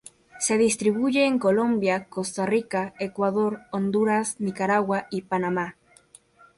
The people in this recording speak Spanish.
Se distribuye en Colombia, Costa Rica, Ecuador, Honduras, Nicaragua y Panama.